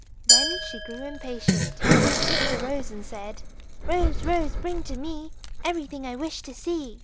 Then she grew impatient; she took the rose, and said: "Rose, Rose, bring to me Everything I wish to see."